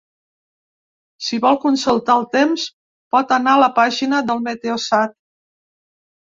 Si vol consultar el temps pot anar a la pàgina del meteosat.